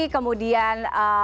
kemudian idol idol dari kota